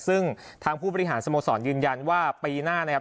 ซึ่งทางผู้บริหารสโมสรยืนยันว่าปีหน้านะครับ